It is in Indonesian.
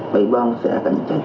baik bang saya akan cair